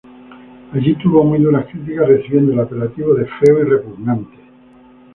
Allí tuvo muy duras críticas, recibiendo el apelativo de feo y repugnante.